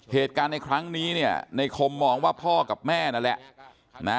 เหตุการณ์ในครั้งนี้เนี่ยในคมมองว่าพ่อกับแม่นั่นแหละ